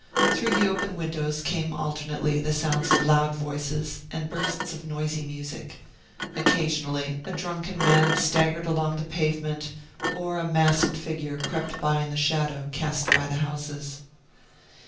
Through the open windows came alternately the sounds of loud voices and bursts of noisy music. Occasionally, a drunken man staggered along the pavement, or a masked figure crept by in the shadow cast by the houses.